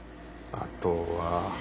あとは。